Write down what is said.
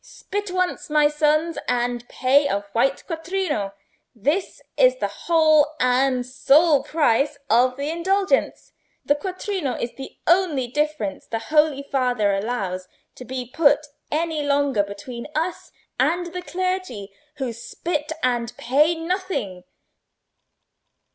Spit once, my sons, and pay a white quattrino! This is the whole and sole price of the indulgence. The quattrino is the only difference the Holy Father allows to be put any longer between us and the clergy—who spit and pay nothing."